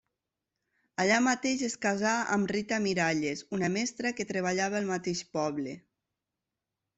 Allà mateix es casà amb Rita Miralles, una mestra que treballava al mateix poble.